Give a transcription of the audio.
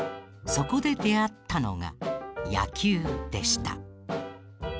そこで出会ったのが野球でした。